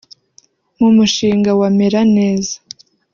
“ Mu mushinga wa Meraneza